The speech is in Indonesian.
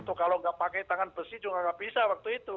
itu kalau gak pakai tangan besi juga gak bisa waktu itu